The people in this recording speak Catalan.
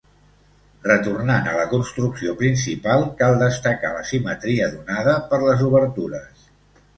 Retornant a la construcció principal, cal destacar la simetria donada per les obertures.